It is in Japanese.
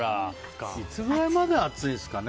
いつぐらいまで暑いですかね。